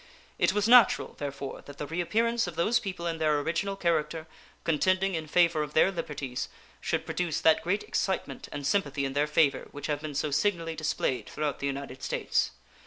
It was natural, therefore, that the reappearance of those people in their original character, contending in favor of their liberties, should produce that great excitement and sympathy in their favor which have been so signally displayed throughout the United States.